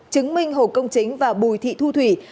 chứng minh hồ công chính và bùi thị thu thủy